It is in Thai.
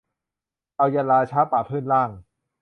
เอายันต์ราชะปะพื้นล่าง